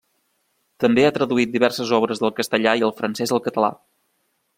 També ha traduït diverses obres del castellà i el francès al català.